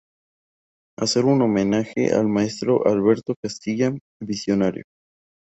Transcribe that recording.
Hacer un homenaje al maestro Alberto Castilla, visionario.